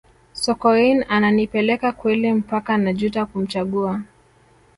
sokoine ananipeleka kweli mpaka najuta kumchagua